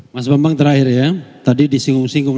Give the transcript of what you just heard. mas bambang terakhir ya tadi disinggung singgung